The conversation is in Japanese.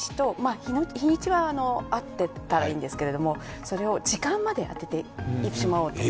日にちは合ってたらいいんですけどそれを時間まで当ててしまうと。